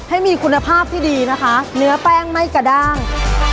ให้มีคุณภาพที่ดีนะคะเนื้อแป้งไม่กระด้าง